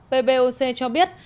pboc cho biết